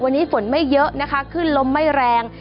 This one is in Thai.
วันนี้ฝนไม่เยอะคือล้มไม่แรง